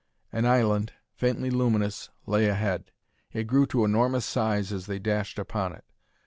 An island, faintly luminous, lay ahead. It grew to enormous size as they dashed upon it.